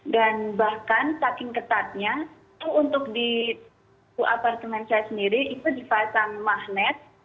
dan bahkan saking ketatnya itu untuk di apartemen saya sendiri itu dipasang magnet